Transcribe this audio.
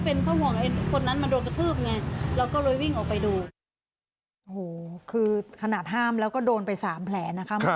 โอ้โหคือขนาดห้ามแล้วก็โดนไปสามแผลนะคะ